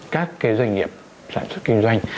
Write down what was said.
các doanh nghiệp sản xuất kinh doanh